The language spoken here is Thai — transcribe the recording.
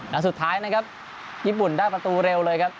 และสุดท้ายนะครับญี่ปุ่นได้ประตูเร็วเลยครับ